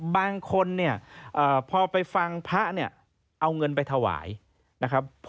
บางคนพอไปฟังพระเอาเงินไปถวายนะครับ